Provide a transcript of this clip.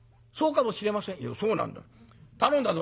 「いやそうなんだ。頼んだぞ」。